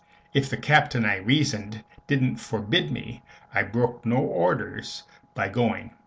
If the Captain, I reasoned, doesn't forbid me, I break no orders by going.